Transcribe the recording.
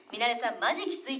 マジきついって」